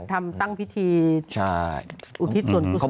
ทำตั้งพิธีอุทิศส่วนกุศลให้พ่อแม่ได้